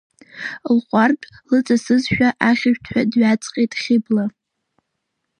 Лҟәардә лыҵасызшәа ахьшәҭҳәа дҩаҵҟьеит Хьыбла.